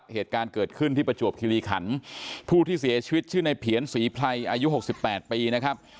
เหตุการณ์เกิดขึ้นที่ประจวบคิริขันผู้ที่เสียชีวิตชื่อในเพียรศรีไพรอายุ๖๘ปีนะครับ